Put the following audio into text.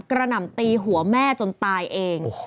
หน่ำตีหัวแม่จนตายเอง